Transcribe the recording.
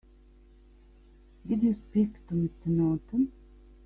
Did you speak to Mr. Norton?